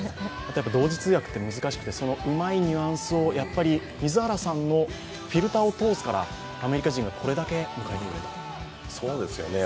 同時通訳って難しくてうまいニュアンスを水原さんのフィルターを通すからアメリカ人がこれだけ迎えいれたと。